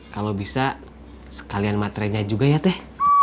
kalau bisa sekalian matrenya juga ya teh